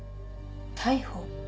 逮捕？